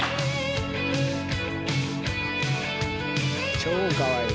超かわいい。